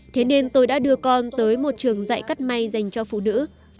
thế nên tôi đã đưa con tới một trường dạy cắt may dành cho phụ nữ